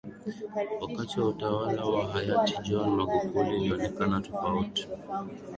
Wakati wa utawala wa hayati John Magufuli ilionekana tofauti